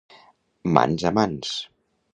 Mans a mans.